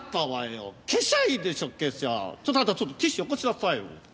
ちょっとあなたちょっとティッシュ寄越しなさいよ。